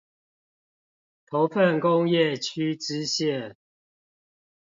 頭份工業區支線